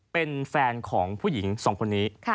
เป็นแฟนของผู้หญิงสองคนนี้